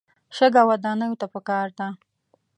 شګه ودانیو ته پکار ده.